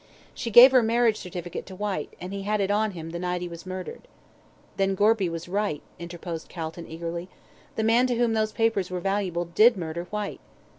She gave her marriage certificate to Whyte, and he had it on him the night he was murdered." "Then Gorby was right," interposed Calton, eagerly. "The man to whom those papers were valuable did murder Whyte!"